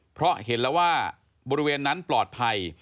เพราะเห็นแล้วว่าบริเวณนั้นปลอดภัย